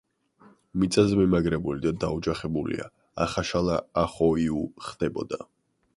მიწაზე მიმაგრებული და დაოჯახებულია ახაშალა ახოიუ ხდებოდა.